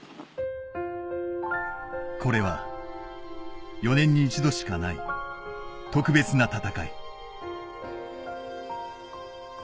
これは４年に１度しかない特別な戦い。